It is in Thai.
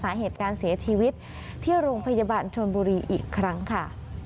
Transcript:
สาเหตุการเสียชีวิตที่โรงพยาบาลชนบุรีอีกครั้งค่ะ